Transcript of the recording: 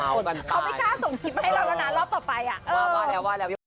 เขาไม่กล้าส่งลิปให้เรานะรอบต่อไป